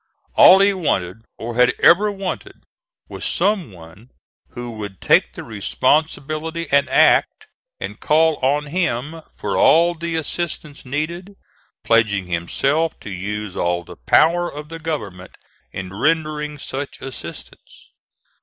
All he wanted or had ever wanted was some one who would take the responsibility and act, and call on him for all the assistance needed, pledging himself to use all the power of the government in rendering such assistance.